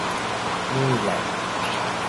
นี่แหละ